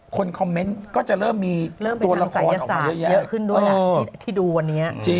คนคอมเม้นต์จะเริ่มมีตัวละครเยอะขึ้นด้วยอ่ะที่ดูวันเนี้ย